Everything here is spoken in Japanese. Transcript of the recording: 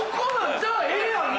じゃあええやん今！